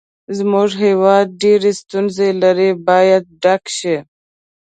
زموږ هېواد ډېرې ستونزې لري باید ډک شي.